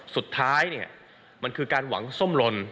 สุดท้ายเนี่ยมันคือการหวังส้มลน